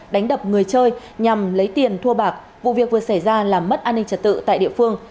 đánh đập người chơi nhằm lấy tiền thua bạc vụ việc vừa xảy ra làm mất an ninh trật tự tại địa phương